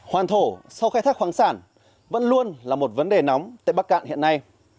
hoàn thổ sau khai thác khoáng sản vẫn luôn là một vấn đề nóng tại bắc cạn hiện nay